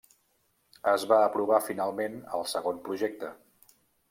Es va aprovar finalment el segon projecte.